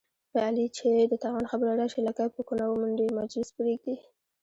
په علي چې د تاوان خبره راشي، لکۍ په کونه ومنډي، مجلس پرېږدي.